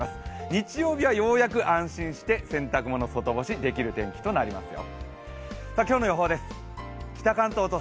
日曜日はようやく安心して洗濯物外干しできるようになりますよ。